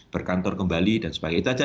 berkantor kembali dan sebagainya